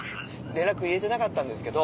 連絡入れてなかったんですけど